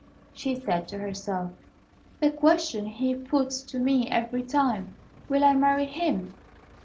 she said to herself. "The question he puts to me every time, 'Will I marry him?'